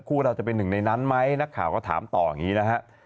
เราจะเป็นหนึ่งในนั้นไหมนักข่าวก็ถามต่ออย่างนี้นะฮะ